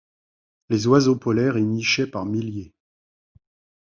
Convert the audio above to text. Les oiseaux polaires y nichaient par milliers.